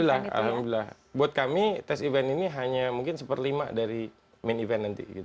alhamdulillah buat kami tes event ini hanya mungkin satu per lima dari main event nanti